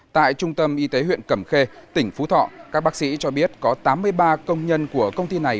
tại trung tâm y tế huyện cẩm khê tỉnh phú thọ các bác sĩ cho biết có tám mươi ba công nhân của công ty này